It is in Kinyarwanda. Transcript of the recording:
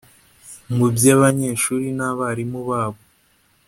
mu banyeshuri n’abarimu babo